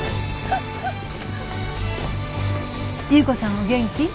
優子さんはお元気？